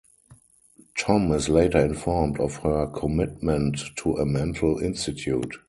Tom is later informed of her commitment to a mental institute.